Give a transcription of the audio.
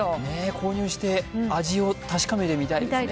購入して味を確かめてみたいですね。